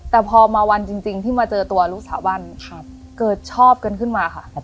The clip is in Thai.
แต่พอมาวันจริงที่มาเจอตัวลูกสาวบ้านเกิดชอบกันขึ้นมาค่ะ